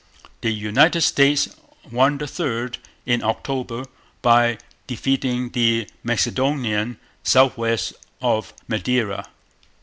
The United States won the third in October, by defeating the Macedonian south west of Madeira.